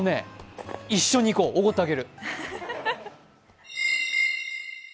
一緒に行こう、おごってあげる。